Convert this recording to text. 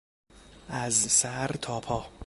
از سر تا پا